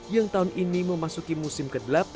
yang tahun ini memasuki musim ke delapan